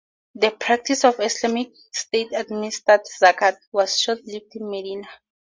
The practice of Islamic state-administered "zakat" was short-lived in Medina.